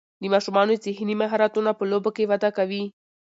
د ماشومانو ذهني مهارتونه په لوبو کې وده کوي.